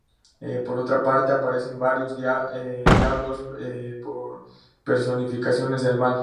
Por otra parte, aparecen varios diablos, personificaciones del mal.